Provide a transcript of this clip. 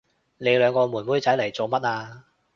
你兩個妹妹仔嚟做乜啊？